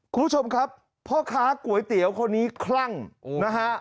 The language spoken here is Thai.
คุณผู้ชมครับพ่อค้าก๋วยเตี๋ยวคนนี้คลั่งนะฮะ